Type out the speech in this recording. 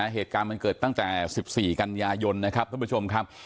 เหตุการณ์มันเกิดตั้งแต่๑๔กันยายนนะครับท่านผู้ชมครับ